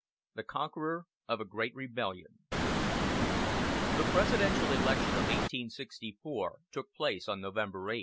THE CONQUEROR OF A GREAT REBELLION The presidential election of 1864 took place on November 8.